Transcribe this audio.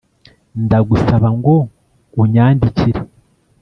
ndagusaba ngo unyandikire